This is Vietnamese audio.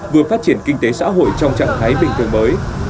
vừa phát triển kinh tế xã hội trong trạng thái bình thường mới